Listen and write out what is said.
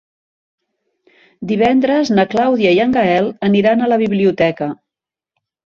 Divendres na Clàudia i en Gaël aniran a la biblioteca.